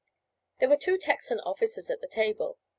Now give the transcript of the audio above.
There were two Texan officers at the table.